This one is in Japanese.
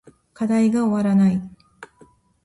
課題が終わらない